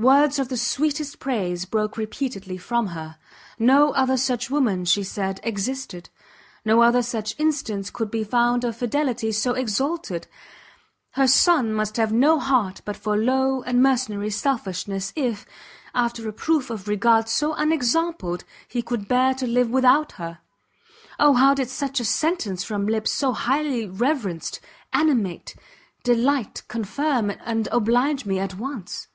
Words of the sweetest praise broke repeatedly from her; no other such woman, she said, existed; no other such instance could be found of fidelity so exalted! her son must have no heart but for low and mercenary selfishness, if, after a proof of regard so unexampled, he could bear to live without her! Oh how did such a sentence from lips so highly reverenced, animate, delight, confirm, and oblige me at once!